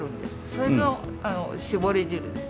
それのしぼり汁です。